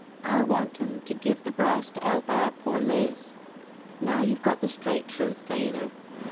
I want *em to give the brass to 'elp our pore Liz. Now youVe got the straight truth, Fayther